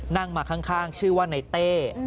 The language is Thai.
นั่งมาข้างชื่อว่าในเต้